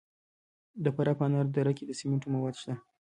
د فراه په انار دره کې د سمنټو مواد شته.